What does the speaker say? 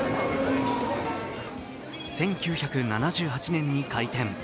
１９７８年に開店。